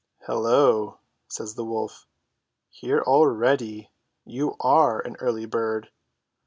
"Hullo!" says the wolf, "here already! You are an early bird